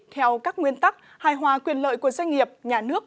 theo các nguyên tắc hài hòa quyền lợi của doanh nghiệp nhà nước